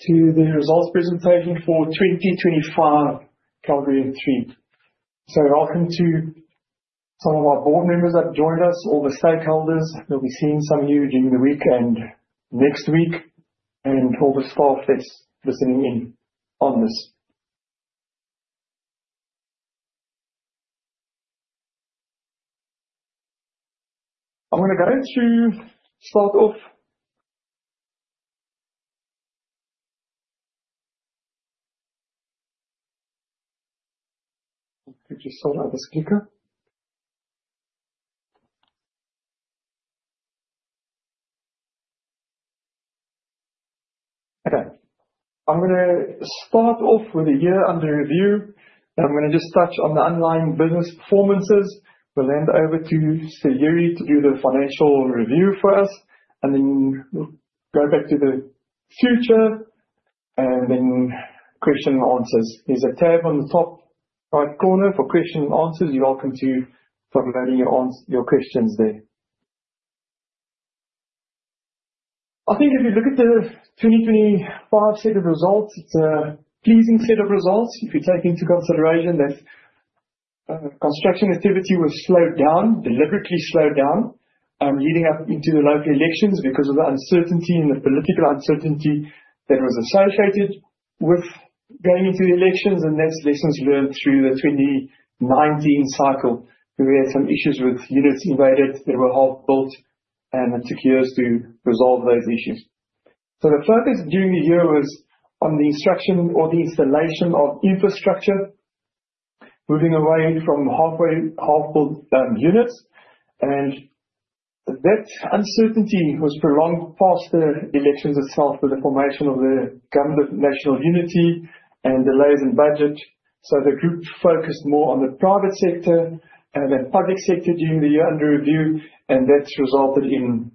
To the results presentation for 2025 Calgro M3. Welcome to some of our board members that have joined us, all the stakeholders. You'll be seeing some of you during the week and next week, and all the staff that's listening in on this. I'm going to start off. I'll just sort out this clicker. Okay, I'm going to start off with a year under review. I'm going to just touch on the underlying business performances. We'll hand over to Sayuri to do the financial review for us, and then we'll go back to the future and then question and answers. There's a tab on the top right corner for question and answers. You're welcome to uploading your questions there. I think if you look at the 2025 set of results, it's a pleasing set of results. If you take into consideration that construction activity was slowed down, deliberately slowed down, leading up into the local elections because of the uncertainty and the political uncertainty that was associated with going into the elections. That is lessons learned through the 2019 cycle. We had some issues with units invaded that were half built, and it took years to resolve those issues. The focus during the year was on the instruction or the installation of infrastructure, moving away from half-built units. That uncertainty was prolonged past the elections itself, with the formation of the Government of National Unity and delays in budget. The group focused more on the private sector and then public sector during the year under review, and that has resulted in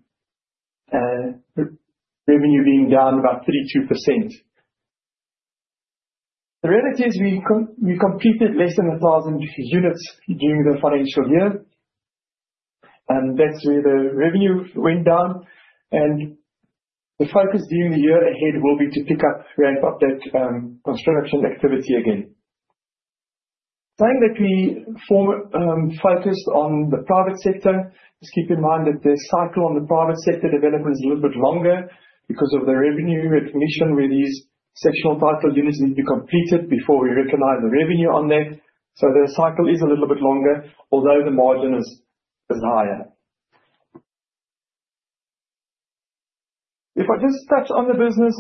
revenue being down about 32%. The reality is we completed less than 1,000 units during the financial year, and that's where the revenue went down. The focus during the year ahead will be to pick up, ramp up that construction activity again. Saying that we focused on the private sector, just keep in mind that the cycle on the private sector development is a little bit longer because of the revenue recognition where these sectional title units need to be completed before we recognize the revenue on that. The cycle is a little bit longer, although the margin is higher. If I just touch on the business,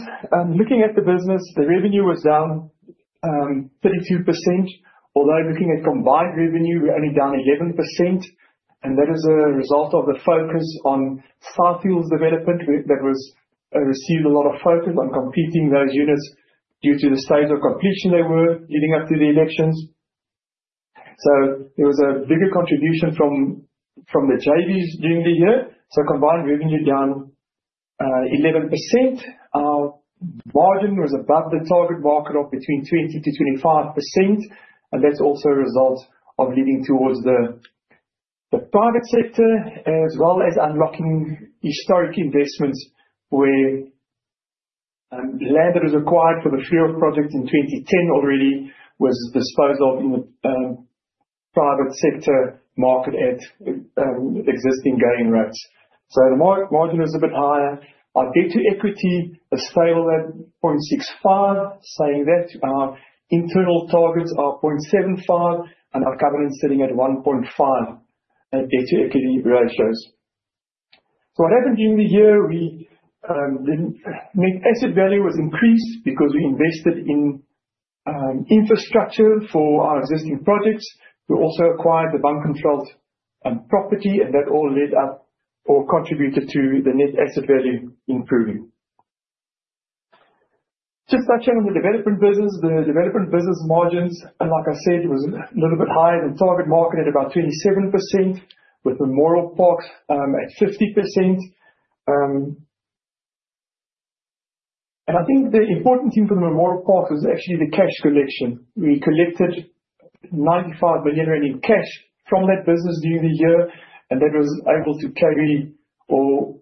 looking at the business, the revenue was down 32%, although looking at combined revenue, we're only down 11%. That is a result of the focus on Southfield's development that received a lot of focus on completing those units due to the stage of completion they were leading up to the elections. There was a bigger contribution from the JVs during the year. Combined revenue down 11%. Our margin was above the target market of between 20%-25%. That is also a result of leading towards the private sector, as well as unlocking historic investments where land that was acquired for the Fleurhof project in 2010 already was disposed of in the private sector market at existing grant rates. The margin is a bit higher. Our debt to equity is stable at 0.65, saying that our internal targets are 0.75 and our current sitting at 1.5 debt to equity ratios. What happened during the year? The net asset value was increased because we invested in infrastructure for our existing projects. We also acquired the Buncan Felt property, and that all led up or contributed to the net asset value improving. Just touching on the development business, the development business margins, like I said, was a little bit higher than target market at about 27%, with Memorial Parks at 50%. I think the important thing for the Memorial Parks was actually the cash collection. We collected 95 million in cash from that business during the year, and that was able to carry or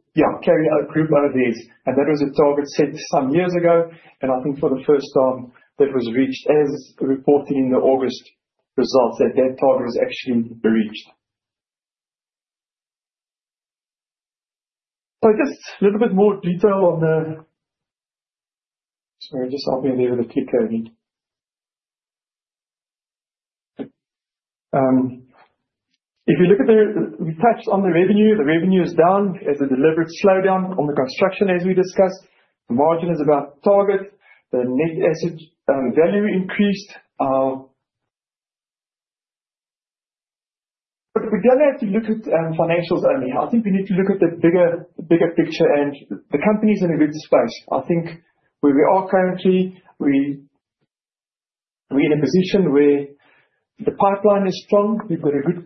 carry out group over there. That was a target set some years ago. I think for the first time that was reached, as reported in the August results, that that target was actually reached. Just a little bit more detail on the—sorry, just help me there with the clicker. If you look at the—we touched on the revenue. The revenue is down as a deliberate slowdown on the construction, as we discussed. The margin is about target. The net asset value increased. We do not have to look at financials only. I think we need to look at the bigger picture and the company is in a good space. I think where we are currently, we are in a position where the pipeline is strong. We have got a good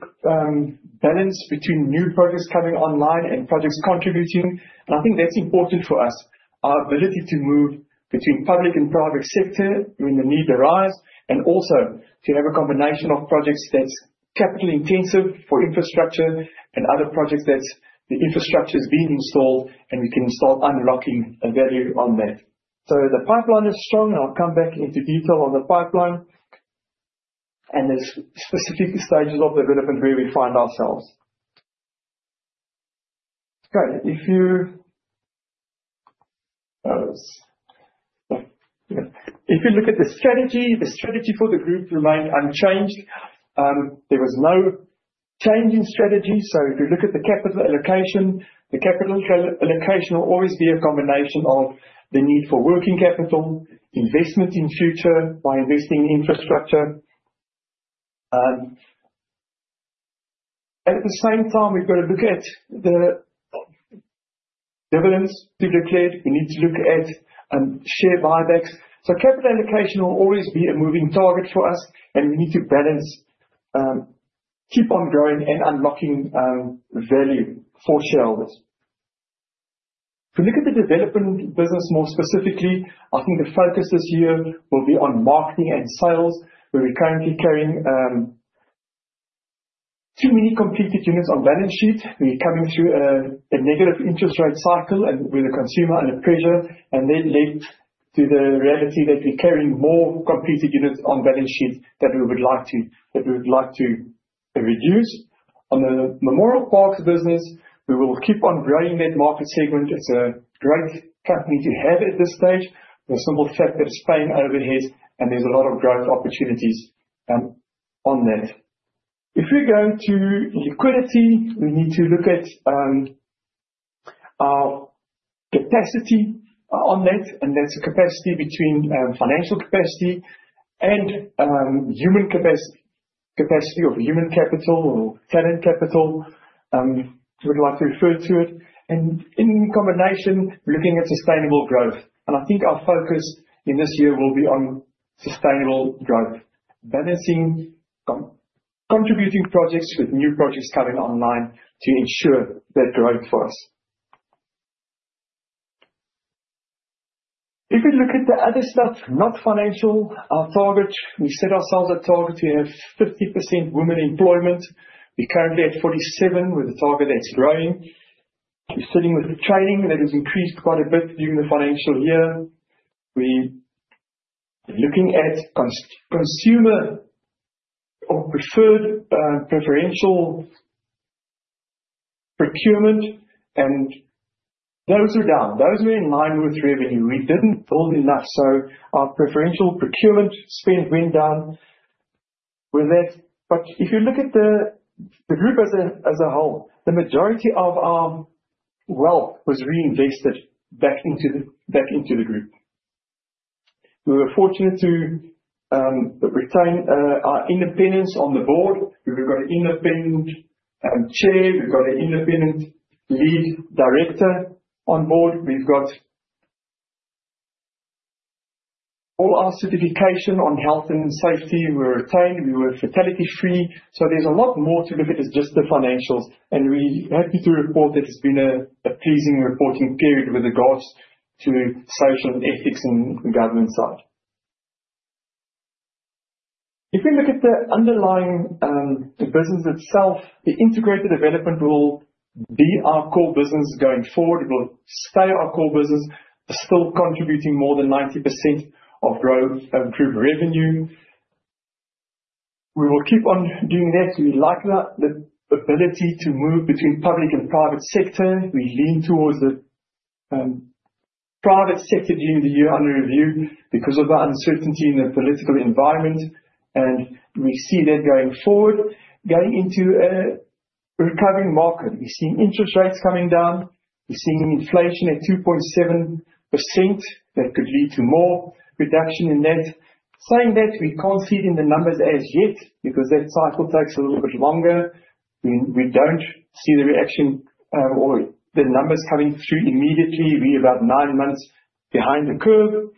balance between new projects coming online and projects contributing. I think that is important for us, our ability to move between public and private sector when the need arises, and also to have a combination of projects that are capital intensive for infrastructure and other projects where the infrastructure is being installed, and we can start unlocking value on that. The pipeline is strong, and I'll come back into detail on the pipeline and the specific stages of development where we find ourselves. Okay, if you look at the strategy, the strategy for the group remained unchanged. There was no change in strategy. If you look at the capital allocation, the capital allocation will always be a combination of the need for working capital, investment in future by investing in infrastructure. At the same time, we've got to look at the dividends to be declared. We need to look at share buybacks. Capital allocation will always be a moving target for us, and we need to balance, keep on growing and unlocking value for shareholders. If we look at the development business more specifically, I think the focus this year will be on marketing and sales, where we're currently carrying too many completed units on balance sheet. We're coming through a negative interest rate cycle and with a consumer under pressure, and that led to the reality that we're carrying more completed units on balance sheet that we would like to reduce. On the Memorial Parks business, we will keep on growing that market segment. It's a great company to have at this stage, the simple fact that it's paying overheads and there's a lot of growth opportunities on that. If we go to liquidity, we need to look at our capacity on that, and that's a capacity between financial capacity and human capacity, capacity of human capital or talent capital, we'd like to refer to it. In combination, looking at sustainable growth. I think our focus in this year will be on sustainable growth, balancing, contributing projects with new projects coming online to ensure that growth for us. If we look at the other stuff, not financial, our target, we set ourselves a target to have 50% women employment. We're currently at 47% with a target that's growing. We're sitting with training that has increased quite a bit during the financial year. We're looking at consumer or preferred preferential procurement, and those are down. Those were in line with revenue. We didn't build enough, so our preferential procurement spend went down with that. If you look at the group as a whole, the majority of our wealth was reinvested back into the group. We were fortunate to retain our independence on the board. We've got an independent chair. We've got an independent lead director on board. We've got all our certification on health and safety. We were retained. We were fatality-free. There's a lot more to look at as just the financials. We're happy to report that it's been a pleasing reporting period with regards to social and ethics and governance side. If we look at the underlying business itself, the integrated development will be our core business going forward. It will stay our core business, still contributing more than 90% of growth through revenue. We will keep on doing that. We like the ability to move between public and private sector. We lean towards the private sector during the year under review because of the uncertainty in the political environment. We see that going forward, going into a recovering market. We're seeing interest rates coming down. We're seeing inflation at 2.7%. That could lead to more reduction in that. Saying that, we can't see it in the numbers as yet because that cycle takes a little bit longer. We don't see the reaction or the numbers coming through immediately. We're about nine months behind the curve.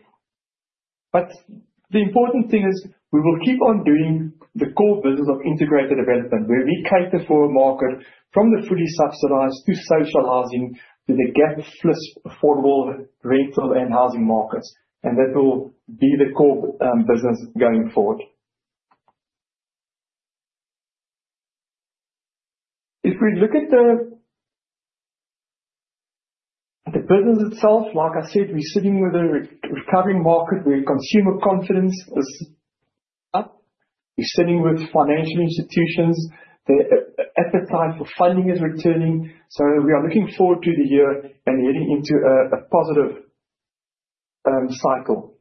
The important thing is we will keep on doing the core business of integrated development, where we cater for a market from the fully subsidized to social housing to the gap-filled affordable rental and housing markets. That will be the core business going forward. If we look at the business itself, like I said, we're sitting with a recovering market where consumer confidence is up. We're sitting with financial institutions. The appetite for funding is returning. We are looking forward to the year and heading into a positive cycle.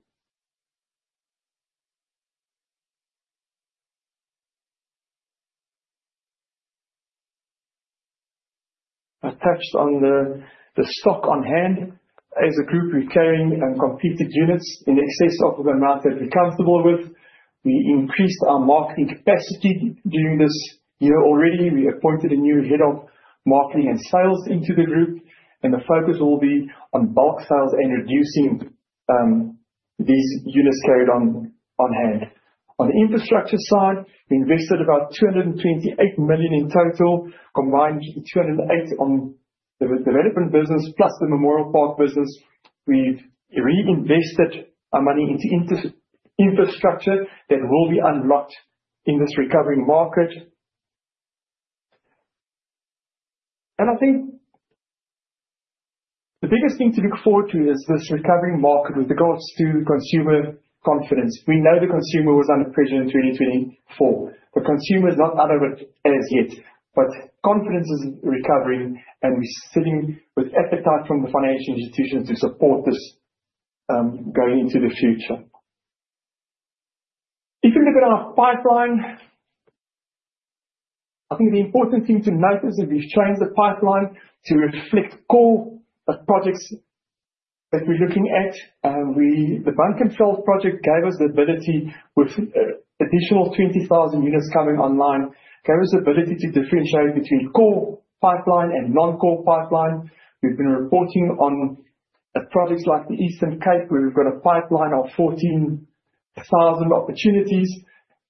I touched on the stock on hand. As a group, we're carrying completed units in excess of the amount that we're comfortable with. We increased our marketing capacity during this year already. We appointed a new head of marketing and sales into the group, and the focus will be on bulk sales and reducing these units carried on hand. On the infrastructure side, we invested about 228 million in total, combined with 208 million on the development business plus the Memorial Park business. We have reinvested our money into infrastructure that will be unlocked in this recovering market. I think the biggest thing to look forward to is this recovering market with regards to consumer confidence. We know the consumer was unappreciated in 2024. The consumer is not out of it as yet, but confidence is recovering, and we are sitting with appetite from the financial institutions to support this going into the future. If we look at our pipeline, I think the important thing to note is that we have changed the pipeline to reflect core projects that we are looking at. The Buccleuch project gave us the ability with an additional 20,000 units coming online, gave us the ability to differentiate between core pipeline and non-core pipeline. We've been reporting on projects like the Eastern Cape, where we've got a pipeline of 14,000 opportunities.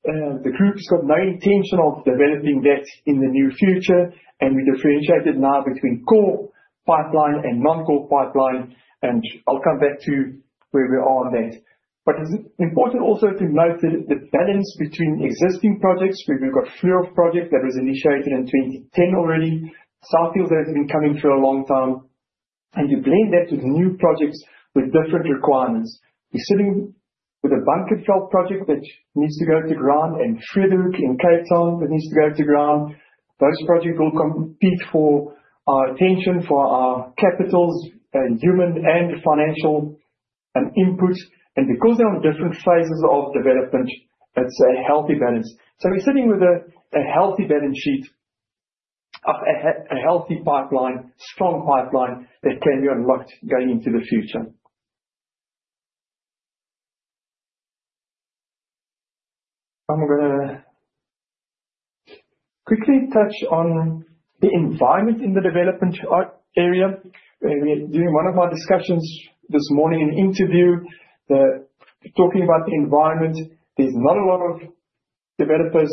The group's got no intention of developing that in the near future. We differentiate it now between core pipeline and non-core pipeline. I'll come back to where we are on that. It's important also to note that the balance between existing projects, where we've got Fleurhof project that was initiated in 2010 already, Southfield has been coming for a long time. To blend that with new projects with different requirements. We're sitting with a Buccleuch project that needs to go to ground and Frederick in Cape Town that needs to go to ground. Those projects will compete for our attention, for our capital, human and financial input. Because they're on different phases of development, it's a healthy balance. We're sitting with a healthy balance sheet, a healthy pipeline, strong pipeline that can be unlocked going into the future. I'm going to quickly touch on the environment in the development area. During one of my discussions this morning in an interview, talking about the environment, there's not a lot of developers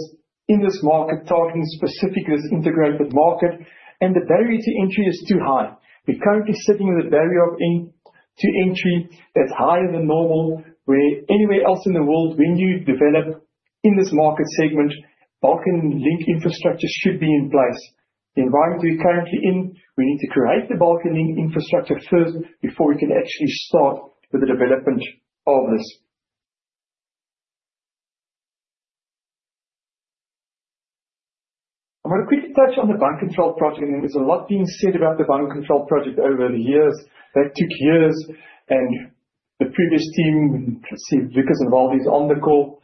in this market, talking specifically this integrated market, and the barrier to entry is too high. We're currently sitting with a barrier to entry that's higher than normal, where anywhere else in the world, when you develop in this market segment, bulk link infrastructure should be in place. The environment we're currently in, we need to create the bulk link infrastructure first before we can actually start with the development of this. I'm going to quickly touch on the Buccleuch project. There's a lot being said about the Buccleuch project over the years. That took years. And the previous team, Lucas and Waldy's on the call,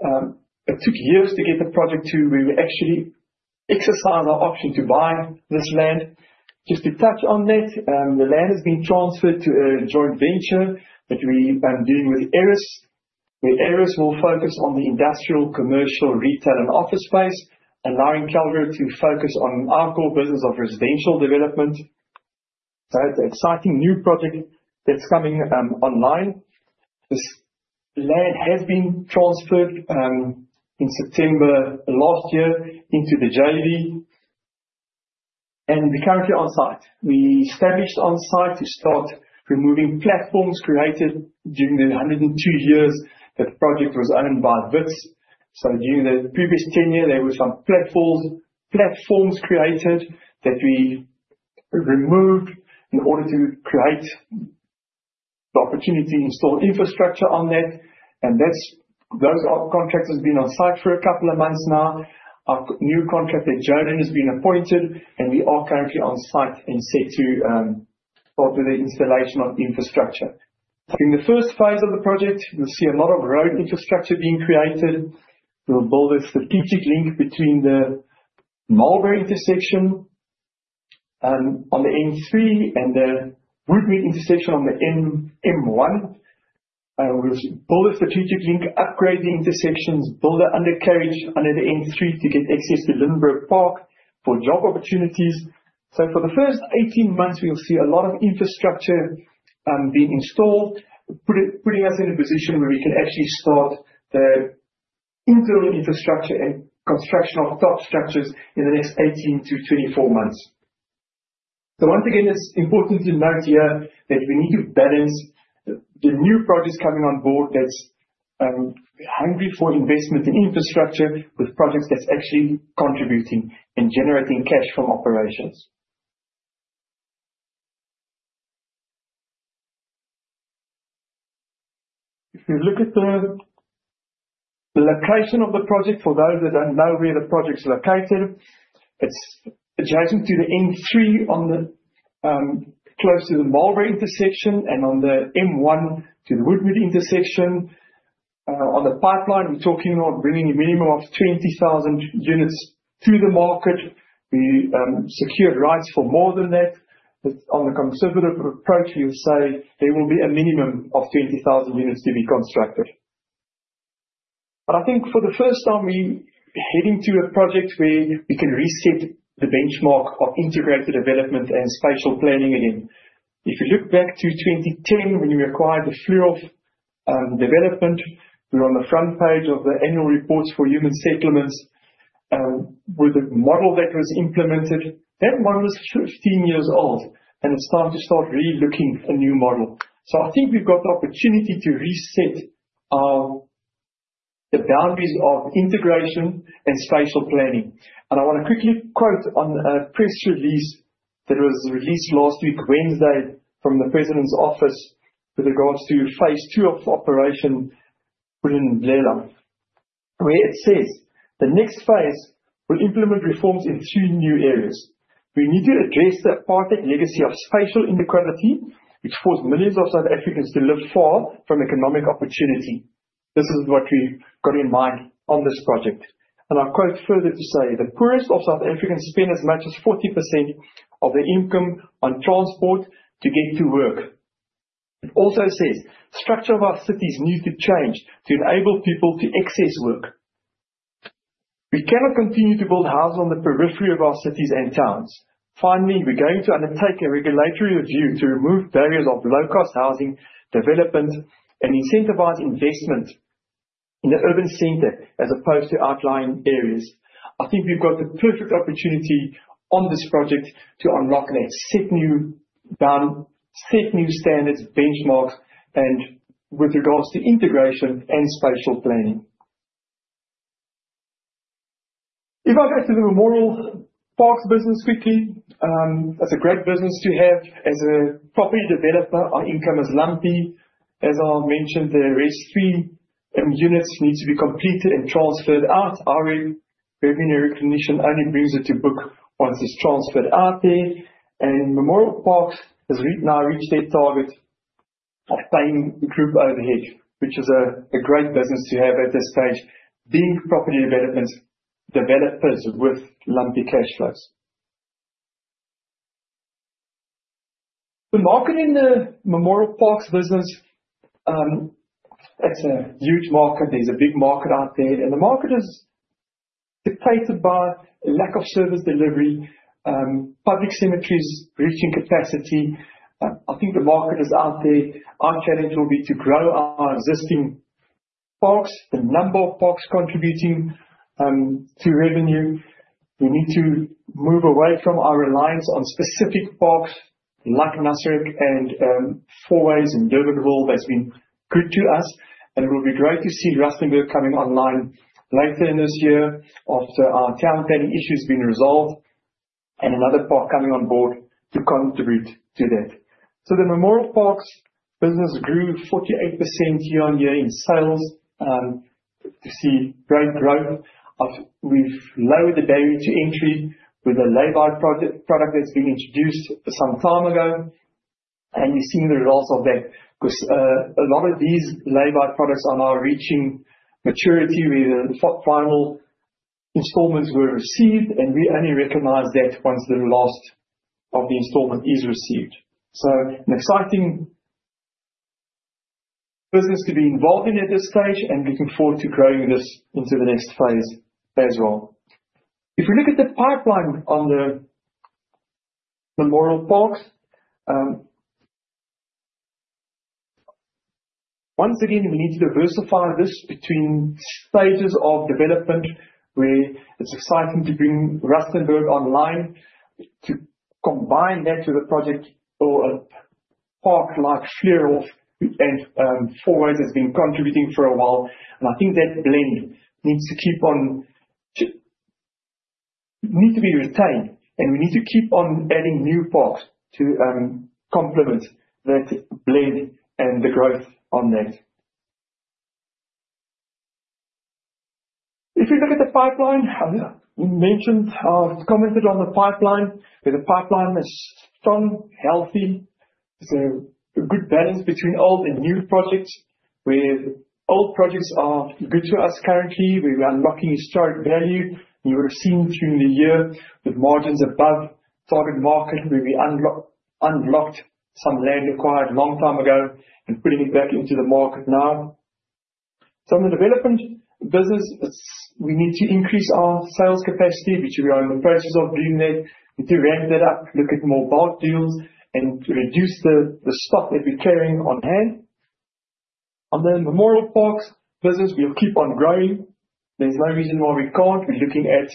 it took years to get the project to where we actually exercise our option to buy this land. Just to touch on that, the land has been transferred to a joint venture that we are doing with Eris, where Eris will focus on the industrial, commercial, retail, and office space, allowing Calgro M3 Holdings to focus on our core business of residential development. It is an exciting new project that's coming online. This land has been transferred in September last year into the JV. And we're currently on site. We established on site to start removing platforms created during the 102 years that the project was owned by Vitz. During the previous tenure, there were some platforms created that we removed in order to create the opportunity to install infrastructure on that. Those contractors have been on site for a couple of months now. Our new contractor, Jonan, has been appointed, and we are currently on site and set to start with the installation of infrastructure. In the first phase of the project, we will see a lot of road infrastructure being created. We will build a strategic link between the Mulberry intersection on the N3 and the Woodmead intersection on the M1. We will build a strategic link, upgrade the intersections, build an undercarriage under the N3 to get access to Lindenburg Park for job opportunities. For the first 18 months, we'll see a lot of infrastructure being installed, putting us in a position where we can actually start the internal infrastructure and construction of top structures in the next 18-24 months. Once again, it's important to note here that we need to balance the new projects coming on board that's hungry for investment in infrastructure with projects that's actually contributing and generating cash from operations. If we look at the location of the project, for those that don't know where the project's located, it's adjacent to the N3 close to the Mulberry intersection and on the M1 to the Woodmead intersection. On the pipeline, we're talking about bringing a minimum of 20,000 units to the market. We secured rights for more than that. On the conservative approach, we will say there will be a minimum of 20,000 units to be constructed. I think for the first time, we're heading to a project where we can reset the benchmark of integrated development and spatial planning again. If you look back to 2010, when we acquired the Fleurhof development, we were on the front page of the annual reports for human settlements with the model that was implemented. That model is 15 years old, and it's time to start relooking at a new model. I think we've got the opportunity to reset the boundaries of integration and spatial planning. I want to quickly quote on a press release that was released last week, Wednesday, from the president's office with regards to phase two of operation in Blelo, where it says, "The next phase will implement reforms in three new areas. We need to address the apartheid legacy of spatial inequality, which forced millions of South Africans to live far from economic opportunity. This is what we've got in mind on this project. I'll quote further to say, "The poorest of South Africans spend as much as 40% of their income on transport to get to work." It also says, "The structure of our cities needs to change to enable people to access work. We cannot continue to build houses on the periphery of our cities and towns. Finally, we're going to undertake a regulatory review to remove barriers of low-cost housing development and incentivise investment in the urban centre as opposed to outlying areas." I think we've got the perfect opportunity on this project to unlock that, set new standards, benchmarks, and with regards to integration and spatial planning. If I go to the Memorial Park business quickly, it's a great business to have as a property developer. Our income is lumpy. As I mentioned, the rest three units need to be completed and transferred out. Our revenue recognition only brings it to book once it's transferred out there. Memorial Park has now reached their target of paying the group overhead, which is a great business to have at this stage, being property developers with lumpy cash flows. The market in the Memorial Park business, it's a huge market. There's a big market out there. The market is dictated by lack of service delivery, public cemeteries reaching capacity. I think the market is out there. Our challenge will be to grow our existing parks, the number of parks contributing to revenue. We need to move away from our reliance on specific parks like Nazareth Park and Fourways and Derby More Hall that's been good to us. It will be great to see Rustenburg coming online later in this year after our town planning issues have been resolved and another park coming on board to contribute to that. The Memorial Parks business grew 48% year on year in sales. To see great growth, we've lowered the barrier to entry with a lay-by product that's been introduced some time ago. We're seeing the results of that because a lot of these lay-by products are now reaching maturity where the final installments were received, and we only recognize that once the last of the installment is received. An exciting business to be involved in at this stage and looking forward to growing this into the next phase as well. If we look at the pipeline on the Memorial Park, once again, we need to diversify this between stages of development where it's exciting to bring Rustenburg online to combine that with a project or a park like Fleurhof and Fourways has been contributing for a while. I think that blend needs to keep on need to be retained, and we need to keep on adding new parks to complement that blend and the growth on that. If we look at the pipeline, we mentioned I've commented on the pipeline that the pipeline is strong, healthy. It's a good balance between old and new projects, where old projects are good to us currently. We're unlocking historic value. You would have seen during the year with margins above target market, where we unlocked some land acquired a long time ago and putting it back into the market now. On the development business, we need to increase our sales capacity, which we are in the process of doing, to ramp that up, look at more bulk deals, and to reduce the stock that we are carrying on hand. On the Memorial Park business, we will keep on growing. There is no reason why we cannot. We are looking at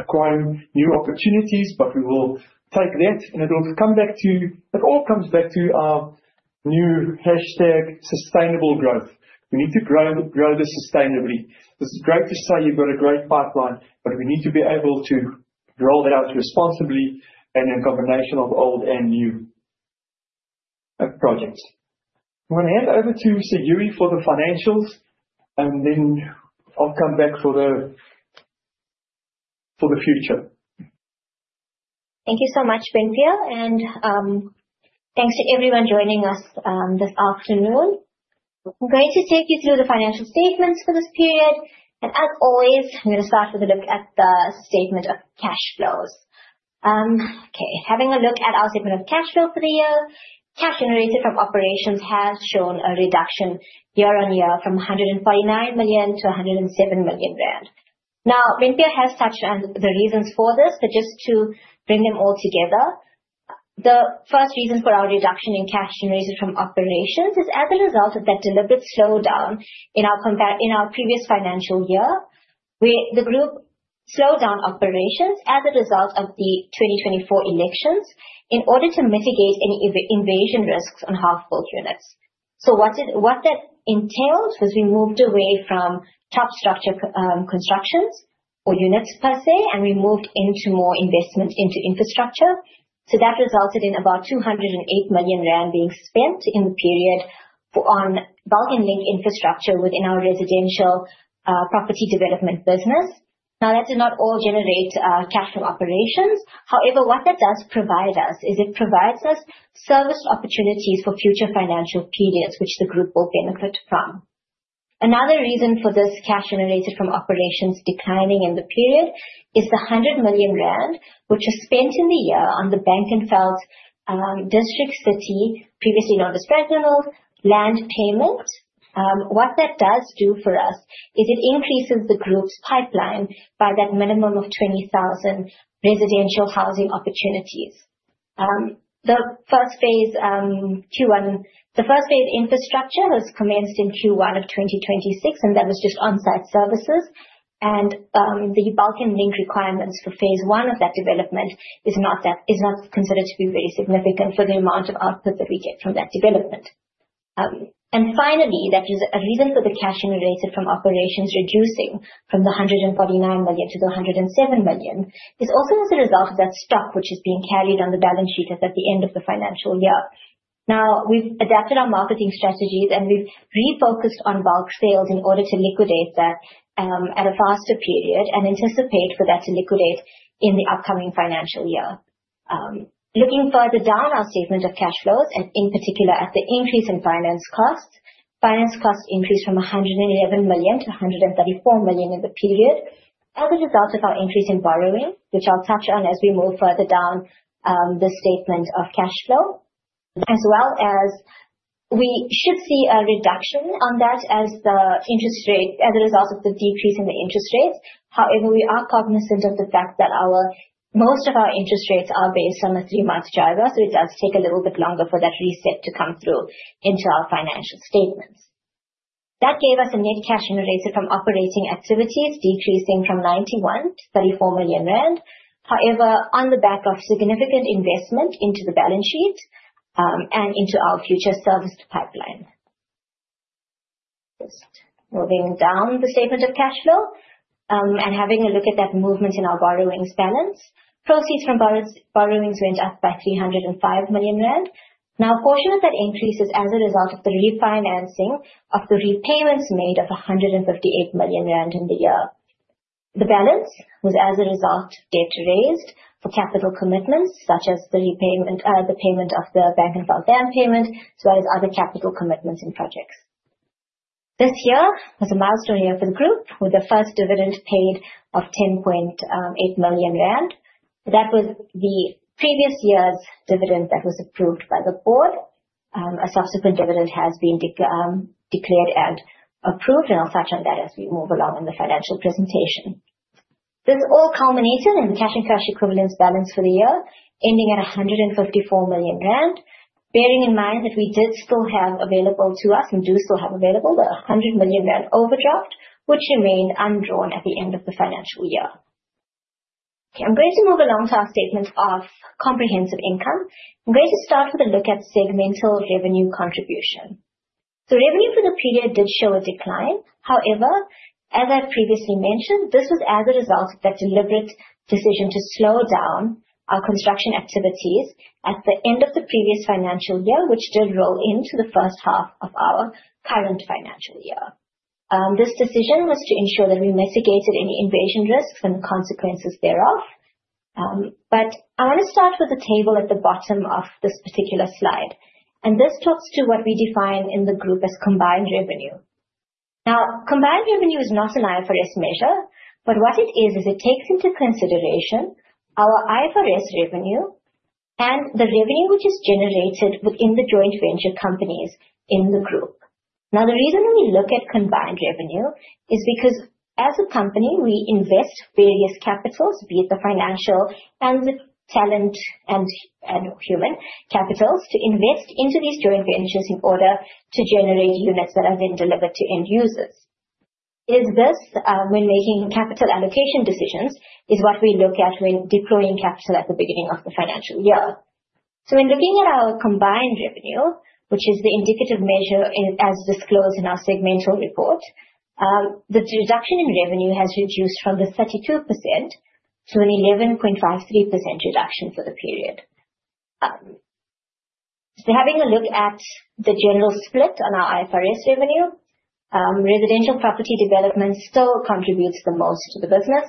acquiring new opportunities, but we will take that, and it will come back to it all comes back to our new hashtag, sustainable growth. We need to grow this sustainably. It is great to say you have got a great pipeline, but we need to be able to roll that out responsibly and in combination of old and new projects. I am going to hand over to Sayuri for the financials, and then I will come back for the future. Thank you so much, Ben Pier, and thanks to everyone joining us this afternoon. I'm going to take you through the financial statements for this period. As always, I'm going to start with a look at the statement of cash flows. Okay, having a look at our statement of cash flow for the year, cash generated from operations has shown a reduction year on year from 149 million-107 million rand. Now, Ben Pier has touched on the reasons for this, but just to bring them all together, the first reason for our reduction in cash generated from operations is as a result of that deliberate slowdown in our previous financial year, where the group slowed down operations as a result of the 2024 elections in order to mitigate any invasion risks on half-built units. What that entailed was we moved away from top structure constructions or units per se, and we moved into more investment into infrastructure. That resulted in about 208 million rand being spent in the period on bulk link infrastructure within our residential property development business. Now, that did not all generate cash from operations. However, what that does provide us is it provides us service opportunities for future financial periods, which the group will benefit from. Another reason for this cash generated from operations declining in the period is the 100 million rand, which was spent in the year on the Bank and Felt District City, previously known as Fresnel, land payment. What that does do for us is it increases the group's pipeline by that minimum of 20,000 residential housing opportunities. The first phase, Q1, the first phase infrastructure was commenced in Q1 of 2026, and that was just on-site services. The bulk link requirements for phase one of that development are not considered to be very significant for the amount of output that we get from that development. Finally, the reason for the cash generated from operations reducing from 149 million-107 million is also as a result of that stock, which is being carried on the balance sheet at the end of the financial year. We have adapted our marketing strategies, and we have refocused on bulk sales in order to liquidate that at a faster period and anticipate for that to liquidate in the upcoming financial year. Looking further down our statement of cash flows, and in particular at the increase in finance costs, finance costs increased from 111 million-134 million in the period as a result of our increase in borrowing, which I'll touch on as we move further down the statement of cash flow, as well as we should see a reduction on that as the interest rate as a result of the decrease in the interest rates. However, we are cognizant of the fact that most of our interest rates are based on a three-month driver, so it does take a little bit longer for that reset to come through into our financial statements. That gave us a net cash generated from operating activities decreasing from 91 million-34 million rand. However, on the back of significant investment into the balance sheet and into our future service pipeline. Just moving down the statement of cash flow and having a look at that movement in our borrowings balance, proceeds from borrowings went up by 305 million rand. Now, portion of that increase is as a result of the refinancing of the repayments made of 158 million rand in the year. The balance was as a result of debt raised for capital commitments such as the repayment of the Bank and Felt dam payment, as well as other capital commitments and projects. This year was a milestone year for the group with the first dividend paid of 10.8 million rand. That was the previous year's dividend that was approved by the board. A subsequent dividend has been declared and approved, and I'll touch on that as we move along in the financial presentation. This all culminated in the cash and cash equivalents balance for the year, ending at 154 million rand, bearing in mind that we did still have available to us and do still have available the 100 million rand overdraft, which remained undrawn at the end of the financial year. Okay, I'm going to move along to our statement of comprehensive income. I'm going to start with a look at segmental revenue contribution. Revenue for the period did show a decline. However, as I've previously mentioned, this was as a result of that deliberate decision to slow down our construction activities at the end of the previous financial year, which did roll into the first half of our current financial year. This decision was to ensure that we mitigated any invasion risks and the consequences thereof. I want to start with the table at the bottom of this particular slide. This talks to what we define in the group as combined revenue. Combined revenue is not an IFRS measure, but what it is, is it takes into consideration our IFRS revenue and the revenue which is generated within the joint venture companies in the group. The reason we look at combined revenue is because as a company, we invest various capitals, be it the financial and the talent and human capitals, to invest into these joint ventures in order to generate units that are then delivered to end users. This when making capital allocation decisions is what we look at when deploying capital at the beginning of the financial year. When looking at our combined revenue, which is the indicative measure as disclosed in our segmental report, the reduction in revenue has reduced from 32% to an 11.53% reduction for the period. Having a look at the general split on our IFRS revenue, residential property development still contributes the most to the business,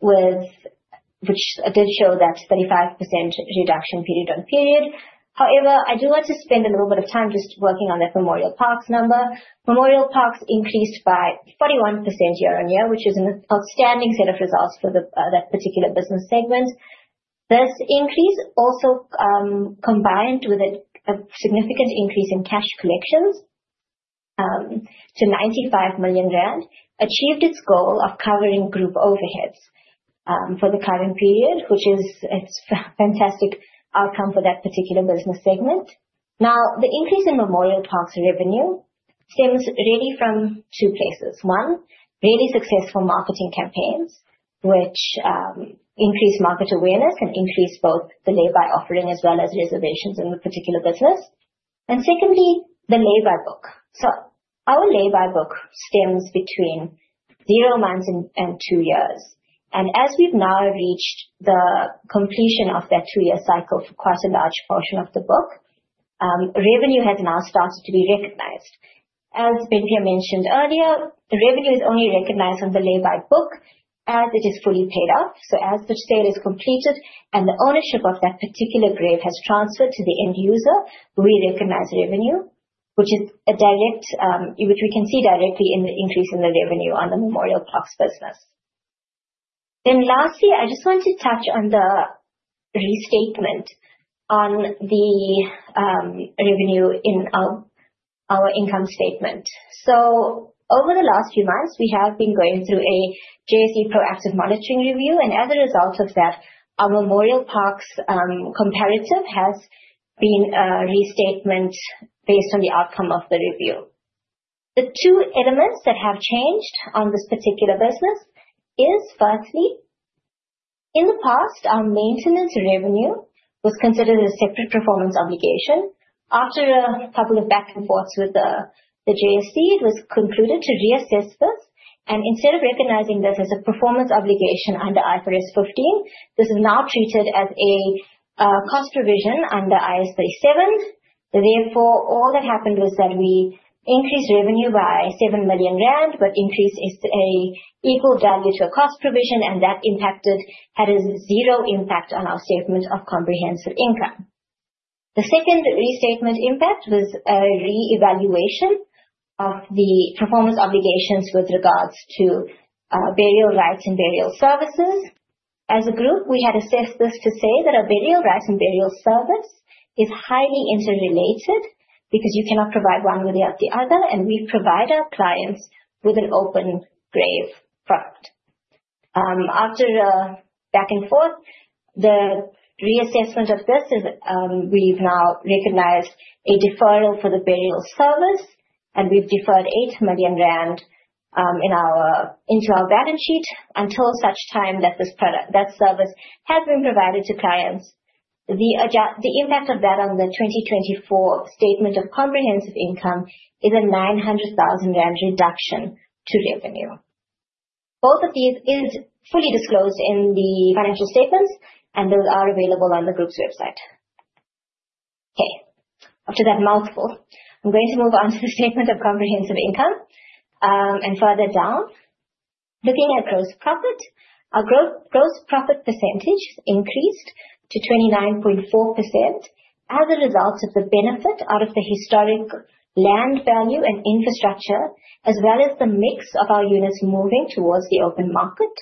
which did show that 35% reduction period on period. However, I do want to spend a little bit of time just working on that Memorial Parks number. Memorial Parks increased by 41% year on year, which is an outstanding set of results for that particular business segment. This increase also combined with a significant increase in cash collections to 95 million rand achieved its goal of covering group overheads for the current period, which is a fantastic outcome for that particular business segment. Now, the increase in Memorial Parks revenue stems really from two places. One, really successful marketing campaigns, which increased market awareness and increased both the lay-by offering as well as reservations in the particular business. Secondly, the lay-by book. Our lay-by book stems between zero months and two years. As we have now reached the completion of that two-year cycle for quite a large portion of the book, revenue has now started to be recognized. As Ben Pierre mentioned earlier, the revenue is only recognized on the lay-by book as it is fully paid off. As the sale is completed and the ownership of that particular grave has transferred to the end user, we recognize revenue, which we can see directly in the increase in the revenue on the Memorial Parks business. Lastly, I just want to touch on the restatement on the revenue in our income statement. Over the last few months, we have been going through a JSE proactive monitoring review. As a result of that, our Memorial Parks comparative has been restated based on the outcome of the review. The two elements that have changed on this particular business are, firstly, in the past, our maintenance revenue was considered a separate performance obligation. After a couple of back and forths with the JSE, it was concluded to reassess this. Instead of recognizing this as a performance obligation under IFRS 15, this is now treated as a cost provision under IAS 37. Therefore, all that happened was that we increased revenue by 7 million rand, but increased is an equal value to a cost provision, and that impacted had a zero impact on our statement of comprehensive income. The second restatement impact was a reevaluation of the performance obligations with regards to burial rights and burial services. As a group, we had assessed this to say that a burial rights and burial service is highly interrelated because you cannot provide one without the other, and we provide our clients with an open grave front. After back and forth, the reassessment of this is we've now recognised a deferral for the burial service, and we've deferred 8 million rand into our balance sheet until such time that this service has been provided to clients. The impact of that on the 2024 statement of comprehensive income is a 900,000 rand reduction to revenue. Both of these is fully disclosed in the financial statements, and those are available on the group's website. Okay, after that mouthful, I'm going to move on to the statement of comprehensive income. Further down, looking at gross profit, our gross profit percentage increased to 29.4% as a result of the benefit out of the historic land value and infrastructure, as well as the mix of our units moving towards the open market.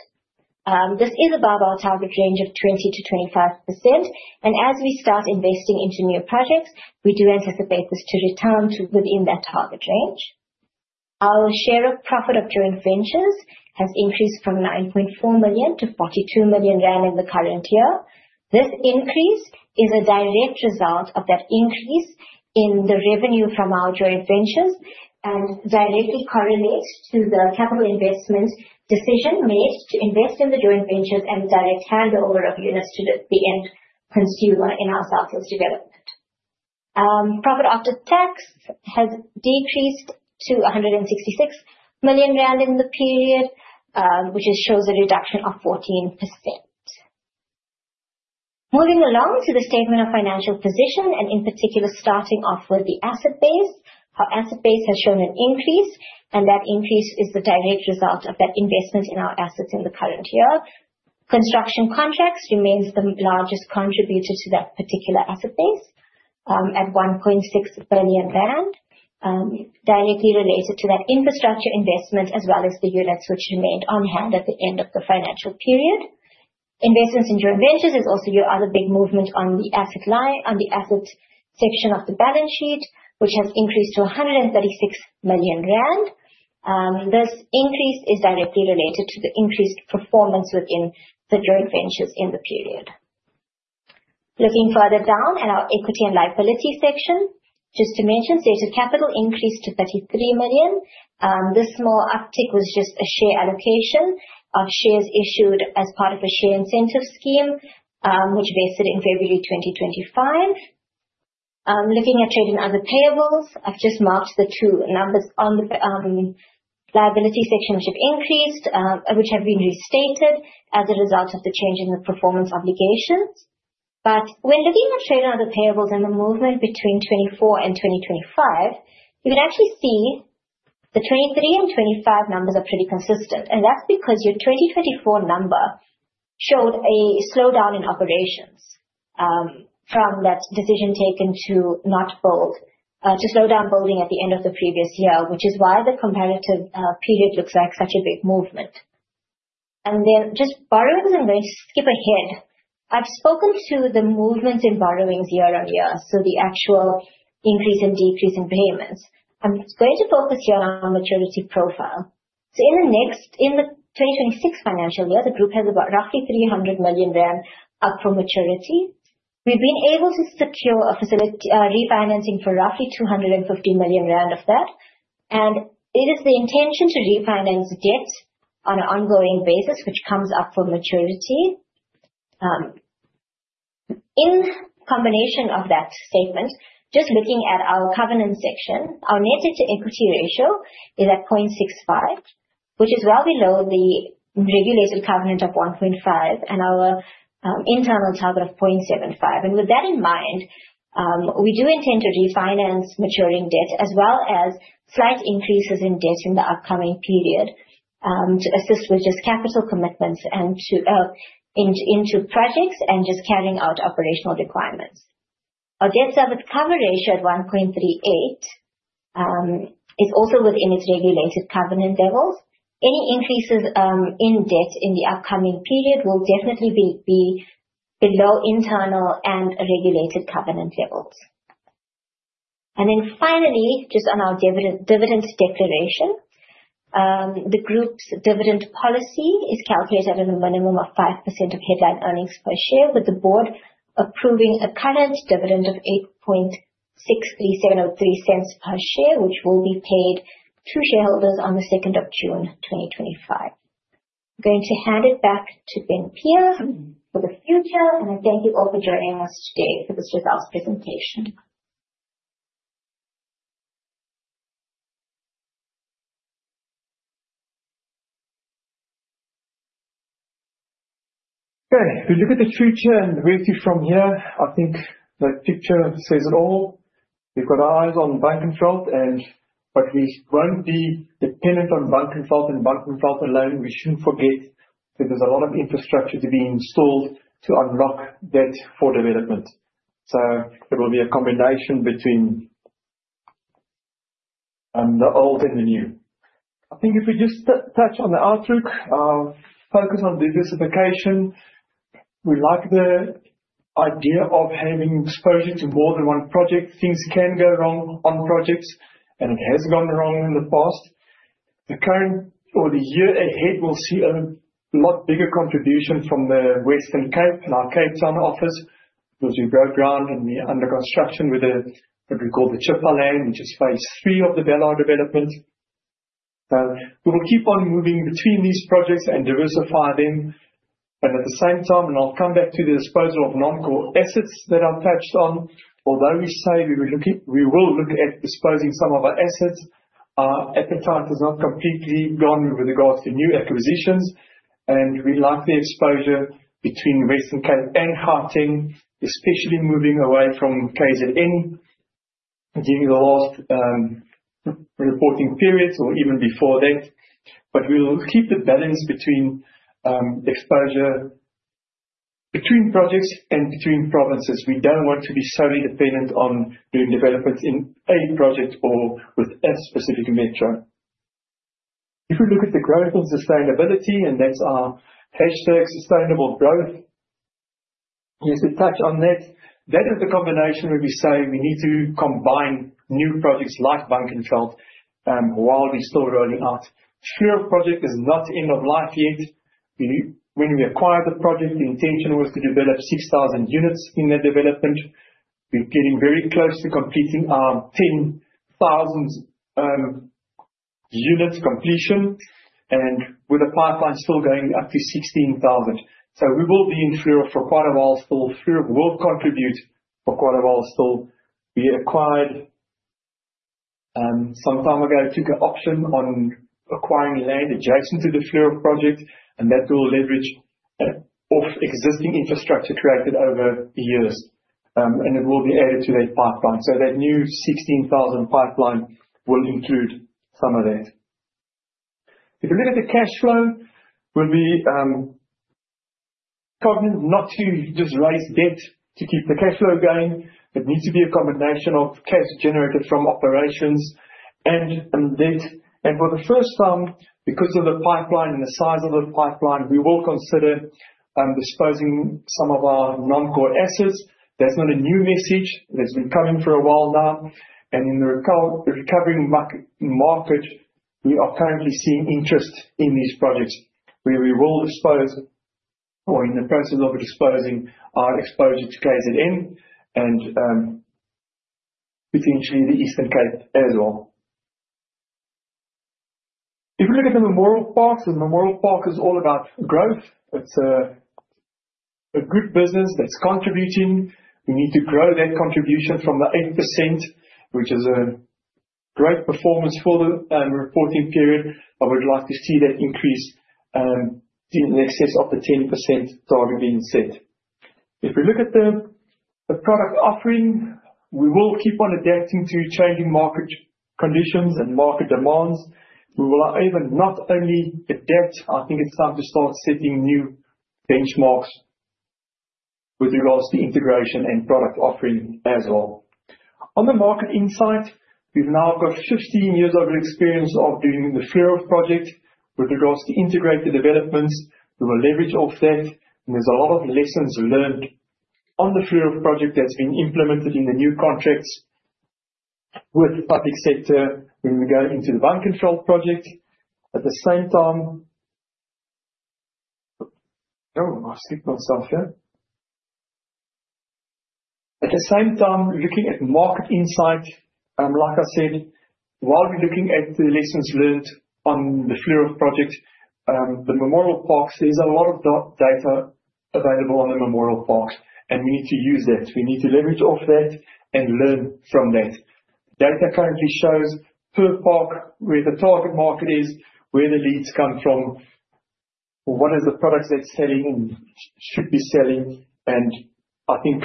This is above our target range of 20-25%. As we start investing into new projects, we do anticipate this to return to within that target range. Our share of profit of joint ventures has increased from 9.4 million-42 million rand in the current year. This increase is a direct result of that increase in the revenue from our joint ventures and directly correlates to the capital investment decision made to invest in the joint ventures and direct handover of units to the end consumer in our South East development. Profit after tax has decreased to 166 million rand in the period, which shows a reduction of 14%. Moving along to the statement of financial position, and in particular, starting off with the asset base, our asset base has shown an increase, and that increase is the direct result of that investment in our assets in the current year. Construction contracts remains the largest contributor to that particular asset base at 1.6 billion rand, directly related to that infrastructure investment, as well as the units which remained on hand at the end of the financial period. Investments in joint ventures is also your other big movement on the asset line on the asset section of the balance sheet, which has increased to 136 million rand. This increase is directly related to the increased performance within the joint ventures in the period. Looking further down at our equity and liability section, just to mention, stated capital increased to 33 million. This small uptick was just a share allocation of shares issued as part of a share incentive scheme, which vested in February 2025. Looking at trade and other payables, I have just marked the two numbers on the liability section, which have increased, which have been restated as a result of the change in the performance obligations. When looking at trade and other payables and the movement between 2024 and 2025, you can actually see the 2023 and 2025 numbers are pretty consistent. That is because your 2024 number showed a slowdown in operations from that decision taken to not build, to slow down building at the end of the previous year, which is why the comparative period looks like such a big movement. Just borrowings, I am going to skip ahead. I have spoken to the movements in borrowings year on year, so the actual increase and decrease in payments. I am going to focus here on our maturity profile. In the 2026 financial year, the group has about 300 million rand up for maturity. We have been able to secure a facility refinancing for roughly 250 million rand of that. It is the intention to refinance debt on an ongoing basis, which comes up for maturity. In combination of that statement, just looking at our covenant section, our net equity ratio is at 0.65, which is well below the regulated covenant of 1.5 and our internal target of 0.75. With that in mind, we do intend to refinance maturing debt as well as slight increases in debt in the upcoming period to assist with just capital commitments and into projects and just carrying out operational requirements. Our debt service cover ratio at 1.38 is also within its regulated covenant levels. Any increases in debt in the upcoming period will definitely be below internal and regulated covenant levels. Finally, just on our dividend declaration, the group's dividend policy is calculated at a minimum of 5% of headline earnings per share with the board approving a current dividend of 0.0863703 per share, which will be paid to shareholders on the 2nd of June, 2025. I'm going to hand it back to Ben Pierre for the future. I thank you all for joining us today for this results presentation. Okay, we look at the future and the revenue from here. I think the picture says it all. We've got our eyes on bank consult, but we won't be dependent on bank consult and bank consult alone. We shouldn't forget that there's a lot of infrastructure to be installed to unlock debt for development. It will be a combination between the old and the new. I think if we just touch on the outlook, focus on diversification. We like the idea of having exposure to more than one project. Things can go wrong on projects, and it has gone wrong in the past. The current or the year ahead will see a lot bigger contribution from the Western Cape and our Cape Town office because we broke ground and we're under construction with what we call the Chipperfield, which is phase three of the Belhar development. We will keep on moving between these projects and diversify them. At the same time, and I'll come back to the disposal of non-core assets that I touched on, although we say we will look at disposing some of our assets. At the time, it is not completely gone with regards to new acquisitions. We like the exposure between Western Cape and Gauteng, especially moving away from KwaZulu-Natal during the last reporting period or even before that. We will keep the balance between exposure between projects and between provinces. We don't want to be solely dependent on doing developments in a project or with a specific metro. If we look at the growth and sustainability, and that's our hashtag, sustainable growth, just to touch on that, that is the combination where we say we need to combine new projects like Bank & Felt while we're still rolling out. Sure, project is not end of life yet. When we acquired the project, the intention was to develop 6,000 units in that development. We're getting very close to completing our 10,000 units completion and with a pipeline still going up to 16,000. We will be in Fleurhof for quite a while still. Fleurhof will contribute for quite a while still. We acquired some time ago, took an option on acquiring land adjacent to the Fleurhof project, and that will leverage off existing infrastructure created over years. It will be added to that pipeline. That new 16,000 pipeline will include some of that. If you look at the cash flow, we will be cognizant not to just raise debt to keep the cash flow going. It needs to be a combination of cash generated from operations and debt. For the first time, because of the pipeline and the size of the pipeline, we will consider disposing some of our non-core assets. That is not a new message. That has been coming for a while now. In the recovering market, we are currently seeing interest in these projects where we will dispose, or are in the process of disposing, our exposure to KwaZulu-Natal and potentially the Eastern Cape as well. If we look at the Memorial Park, the Memorial Park is all about growth. It is a good business that is contributing. We need to grow that contribution from the 8%, which is a great performance for the reporting period. I would like to see that increase in excess of the 10% target being set. If we look at the product offering, we will keep on adapting to changing market conditions and market demands. We will even not only adapt, I think it's time to start setting new benchmarks with regards to integration and product offering as well. On the market insight, we've now got 15 years of experience of doing the Fleurhof project with regards to integrated developments. We will leverage off that. And there's a lot of lessons learned on the Fleurhof project that's been implemented in the new contracts with public sector when we go into the Bank & Felt project. At the same time, oh, I skipped myself here. At the same time, looking at market insight, like I said, while we're looking at the lessons learned on the Fleurhof project, the Memorial Park, there's a lot of data available on the Memorial Park, and we need to use that. We need to leverage off that and learn from that. Data currently shows per park where the target market is, where the leads come from, what are the products that's selling and should be selling. I think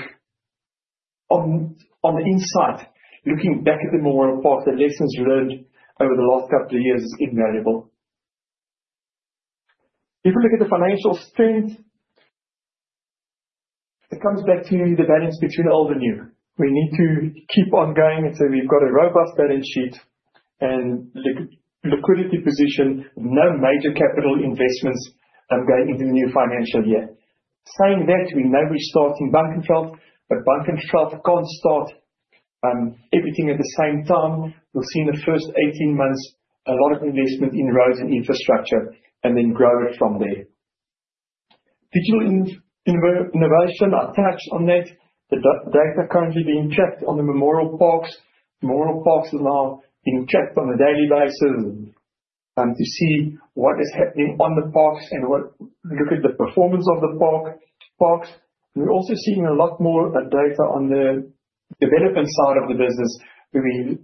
on the insight, looking back at the Memorial Park, the lessons learned over the last couple of years is invaluable. If we look at the financial strength, it comes back to the balance between old and new. We need to keep on going. We've got a robust balance sheet and liquidity position, no major capital investments going into the new financial year. Saying that, we know we're starting Bank & Felt, but Bank & Felt can't start everything at the same time. We'll see in the first 18 months a lot of investment in roads and infrastructure and then grow it from there. Digital innovation attached on that, the data currently being tracked on the Memorial Parks. Memorial Parks is now being tracked on a daily basis to see what is happening on the parks and look at the performance of the parks. We're also seeing a lot more data on the development side of the business where we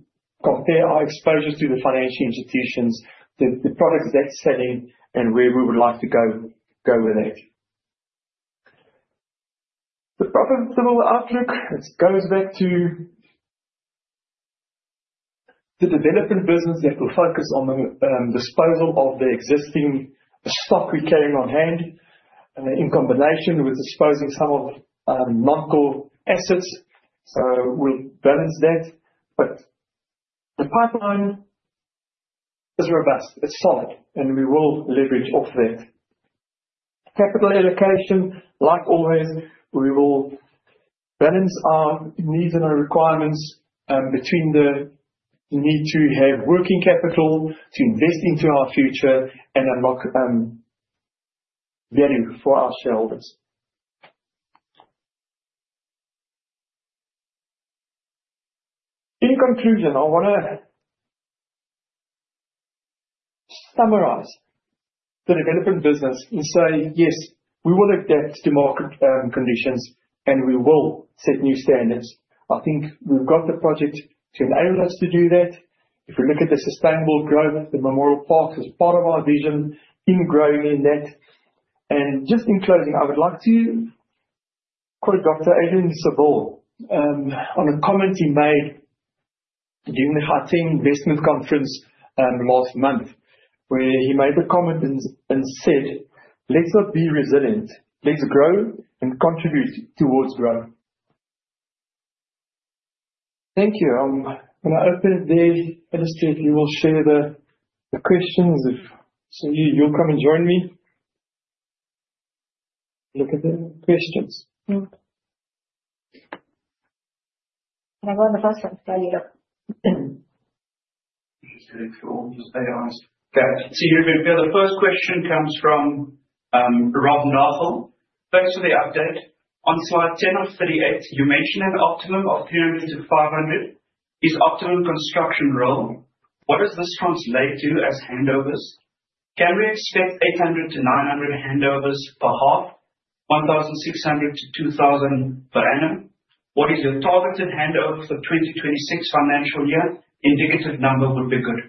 compare our exposure to the financial institutions, the products that's selling, and where we would like to go with that. The profitable outlook, it goes back to the development business that will focus on the disposal of the existing stock we carry on hand in combination with disposing some of non-core assets. We will balance that. The pipeline is robust. It is solid. We will leverage off that. Capital allocation, like always, we will balance our needs and our requirements between the need to have working capital to invest into our future and unlock value for our shareholders. In conclusion, I want to summarize the development business and say, yes, we will adapt to market conditions and we will set new standards. I think we have got the project to enable us to do that. If we look at the sustainable growth, the Memorial Park is part of our vision in growing in that. Just in closing, I would like to quote Dr. Adrian Sebor on a comment he made during the Harting Investment Conference last month where he made the comment and said, "Let's not be resilient. Let's grow and contribute towards growth." Thank you. I'm going to open it there and straightly we'll share the questions. So you'll come and join me. Look at the questions. Can I go on the first one? Okay. So you've been the first question comes from Rob Nothal. Thanks for the update. On slide 10 of 38, you mentioned an optimum of 300-500 is optimum construction role. What does this translate to as handovers?. Can we expect 800-900 handovers per half, 1,600-2,000 per annum?. What is your targeted handover for 2026 financial year?. Indicative number would be good.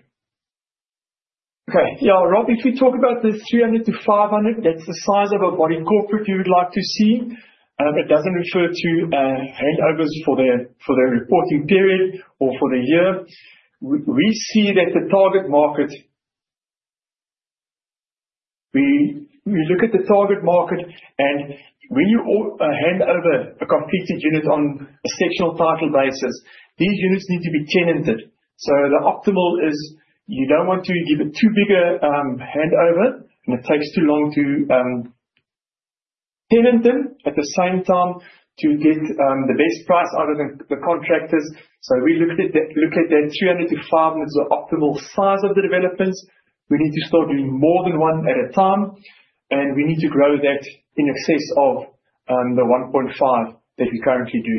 Okay. Yeah, Rob, if we talk about this 300-500, that's the size of a body corporate you would like to see. It doesn't refer to handovers for the reporting period or for the year. We see that the target market, we look at the target market, and when you hand over a completed unit on a sectional title basis, these units need to be tenanted. The optimal is you do not want to give it too big a handover and it takes too long to tenant them at the same time to get the best price out of the contractors. We look at that 300-500 is the optimal size of the developments. We need to start doing more than one at a time, and we need to grow that in excess of the 1.5 that we currently do.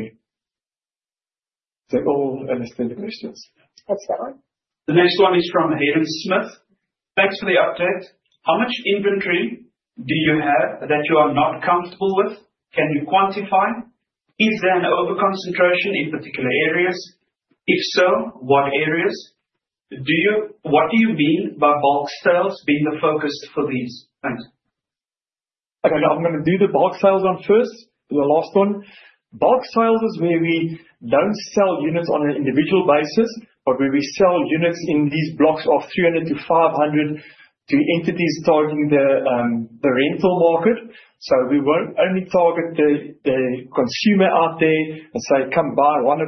They all understand the questions. What is that one?. The next one is from Hayden Smith. Thanks for the update. How much inventory do you have that you are not comfortable with?. Can you quantify?. Is there an overconcentration in particular areas? If so, what areas?. What do you mean by bulk sales being the focus for these?. Thanks. Okay, I am going to do the bulk sales one first, the last one. Bulk sales is where we do not sell units on an individual basis, but where we sell units in these blocks of 300-500 to entities targeting the rental market. We will not only target the consumer out there and say, "Come buy one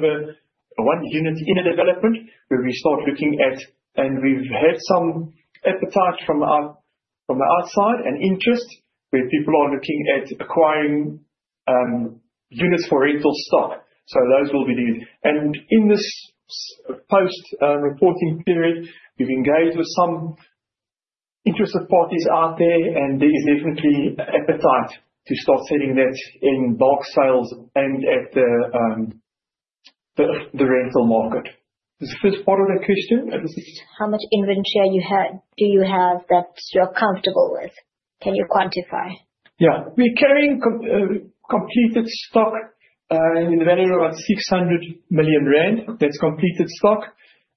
unit in a development," where we start looking at. We have had some appetite from the outside and interest where people are looking at acquiring units for rental stock. Those will be the. In this post-reporting period, we have engaged with some interested parties out there, and there is definitely appetite to start setting that in bulk sales and at the rental market. Is this part of the question?. How much inventory do you have that you're comfortable with?. Can you quantify?. Yeah. We're carrying completed stock in the value of about 600 million rand. That's completed stock.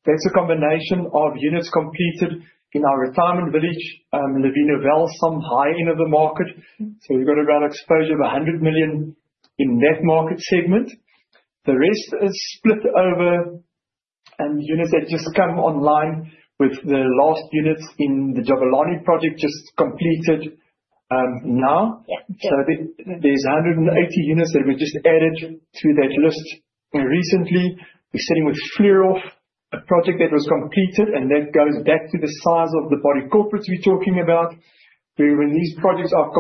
That's a combination of units completed in our retirement village, Lavina Vale, some high end of the market. So we've got around exposure of 100 million in that market segment. The rest is split over units that just come online with the last units in the Jabalani project just completed now. There are 180 units that were just added to that list recently. We're sitting with Fleurhof, a project that was completed, and that goes back to the size of the body corporates we're talking about. Where when these projects are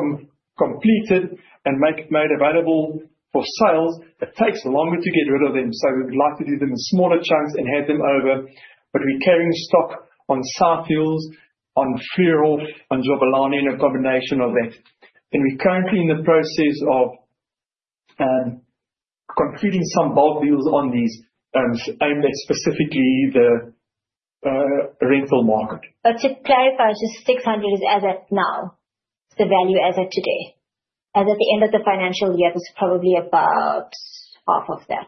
completed and made available for sales, it takes longer to get rid of them. We would like to do them in smaller chunks and have them over. We're carrying stock on Southfield, on Fleurhof, on Jabalani, and a combination of that. We're currently in the process of concluding some bulk deals on these, aimed at specifically the rental market. To clarify, just 600 is as at now, the value as of today. As at the end of the financial year, it was probably about half of that.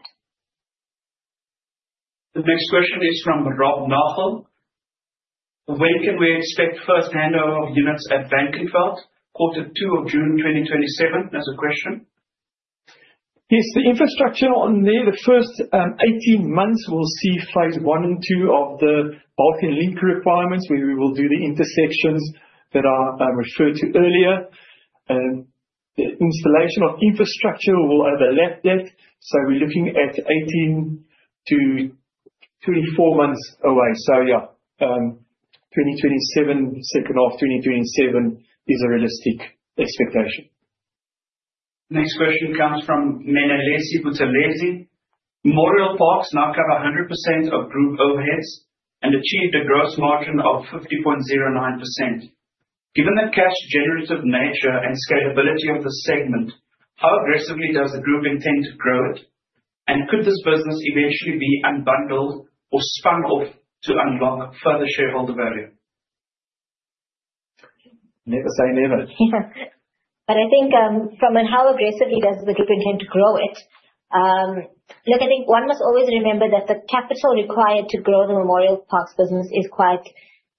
The next question is from Rob Nothal. When can we expect first handover of units at Bank and Felt? Quarter two of June 2027 is a question. Yes, the infrastructure on there, the first 18 months, we'll see phase one and two of the bulk and link requirements where we will do the intersections that I referred to earlier. The installation of infrastructure will overlap that. We're looking at 18-24 months away. Yeah, 2027, second half 2027 is a realistic expectation. Next question comes from Menelesi Butalesi. Memorial Parks now cover 100% of group overheads and achieved a gross margin of 50.09%. Given the cash-generative nature and scalability of the segment, how aggressively does the group intend to grow it? Could this business eventually be unbundled or spun off to unlock further shareholder value? Never say never. I think from how aggressively does the group intend to grow it, look, I think one must always remember that the capital required to grow the Memorial Parks business is quite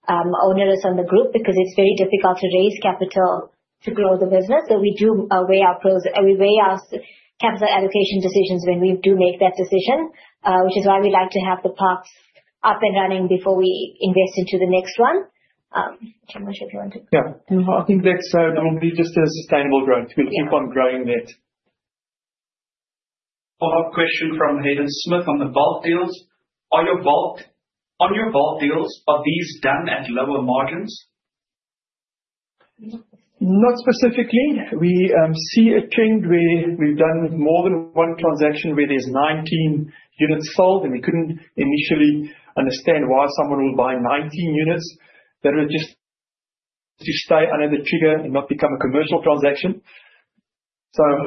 onerous on the group because it is very difficult to raise capital to grow the business. We do weigh our capital allocation decisions when we do make that decision, which is why we would like to have the parks up and running before we invest into the next one. Do you want to? Yeah. I think that will be just a sustainable growth. We'll keep on growing that. One more question from Hayden Smith on the bulk deals. On your bulk deals, are these done at lower margins? Not specifically. We see a trend where we've done more than one transaction where there's 19 units sold, and we couldn't initially understand why someone would buy 19 units. That would just stay under the trigger and not become a commercial transaction.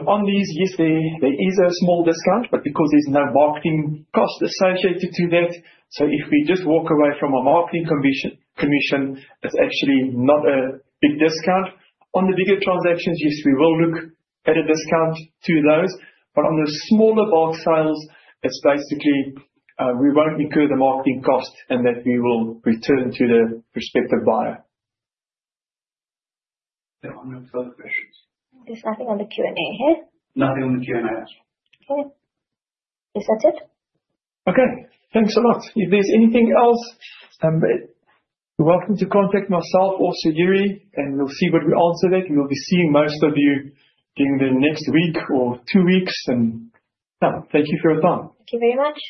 On these, yes, there is a small discount, but because there's no marketing cost associated to that. If we just walk away from our marketing commission, it's actually not a big discount. On the bigger transactions, yes, we will look at a discount to those. On the smaller bulk sales, it's basically we won't incur the marketing cost and that we will return to the prospective buyer. There are no further questions. There is nothing on the Q&A here. Nothing on the Q&A. Okay. Is that it? Okay. Thanks a lot. If there is anything else, you are welcome to contact myself or Sayuri, and we will see what we answer that. We will be seeing most of you during the next week or two weeks. And thank you for your time. Thank you very much.